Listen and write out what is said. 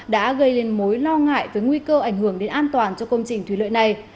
đã gây lên mối lo ngại với nguy cơ ảnh hưởng đến an toàn cho công trình thủy lợi này